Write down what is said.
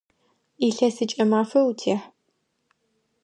Илъэсыкӏэ мафэ утехь!